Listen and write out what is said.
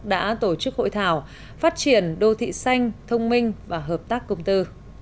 đã tổ chức hội thảo phát triển đô thị xanh thông minh và hợp tác công tư